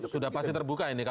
sudah pasti terbuka ini